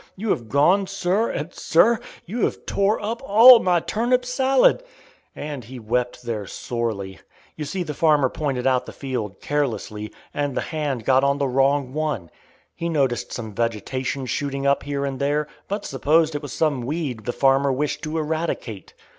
You have gone sir, and sir, you have tore up all my turnip salad!" And he wept there sorely. You see the farmer pointed out the field carelessly, and the "hand" got on the wrong one. He noticed some vegetation shooting up here and there, but supposed it was some weed the farmer wished to eradicate.